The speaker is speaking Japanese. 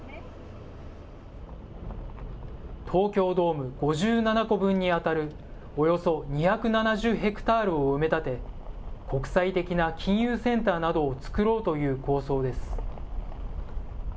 東京ドーム５７個分に当たる、およそ２７０ヘクタールを埋め立て、国際的な金融センターなどを作ろうという構想です。